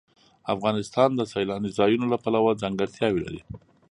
افغانستان د سیلاني ځایونو له پلوه ځانګړتیاوې لري.